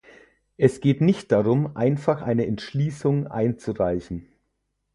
Es geht nicht darum, einfach eine Entschließung einzureichen.